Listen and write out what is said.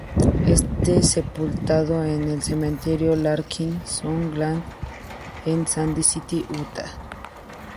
Está sepultado en el cementerio "Larkin Sunset Gardens" en Sandy City, Utah.